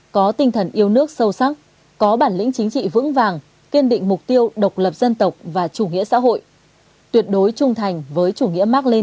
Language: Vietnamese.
có tinh thần yêu nước sâu sắc có bản lĩnh chính trị vững vàng kiên định mục tiêu độc lập dân tộc và chủ nghĩa xã hội tuyệt đối trung thành với chủ nghĩa mark len